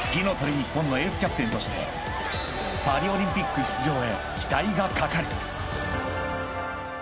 ＮＩＰＰＯＮのエースキャプテンとしてパリオリンピック出場へ期待がかかる］